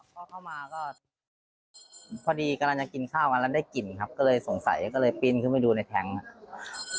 พอเข้ามาก็พอดีกำลังจะกินข้าวกันแล้วได้กลิ่นครับก็เลยสงสัยก็เลยปีนขึ้นไปดูในแง๊งครับ